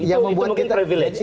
itu mungkin privilege